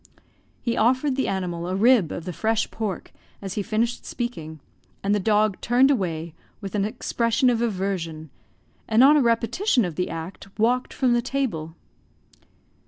He offered the animal a rib of the fresh pork as he finished speaking, and the dog turned away with an expression of aversion, and on a repetition of the act, walked from the table.